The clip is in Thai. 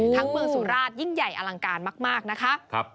ทั้งเมืองสุราชยิ่งใหญ่อลังการมากนะคะ